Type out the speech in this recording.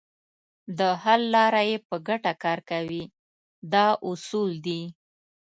د حل لپاره یې په ګټه کار کوي دا اصول دي.